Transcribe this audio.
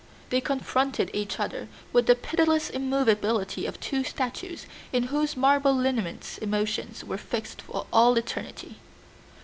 They confronted each other with the pitiless immovability of two statues in whose marble lineaments emotions were fixed for all eternity.